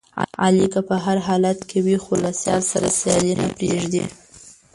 علي که په هر حالت وي، خو له سیال سره سیالي نه پرېږدي.